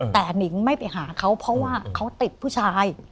แต่หนิงไม่ไปหาเขาเพราะว่าเขาติดผู้ชาย